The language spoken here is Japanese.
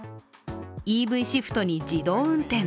ＥＶシフトに自動運転。